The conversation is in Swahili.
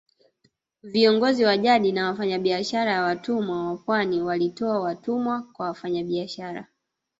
Viongozi wa jadi na wafanyabiashara ya watumwa wa pwani walitoa watumwa kwa wafanyabiashara